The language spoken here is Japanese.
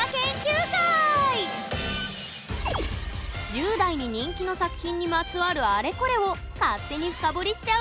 １０代に人気の作品にまつわるあれこれを勝手に深掘りしちゃうよ！